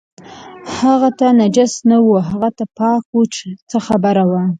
هغه ته نجس نه و، هغه ته پاک و چې څه خبره وه.